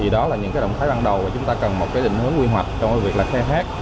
với những cái động thái ban đầu chúng ta cần một cái định hướng quy hoạch trong cái việc là khe khát